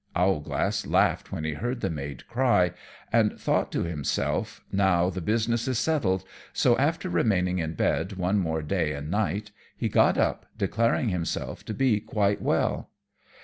Owlglass laughed when he heard the maid cry, and thought to himself, now the business is settled; so after remaining in bed one more day and night he got up, declaring himself to be quite well.